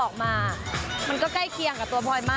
ดูใครสิ